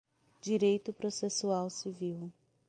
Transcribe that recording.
Direito processual civil